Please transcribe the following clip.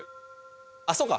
あっそうか。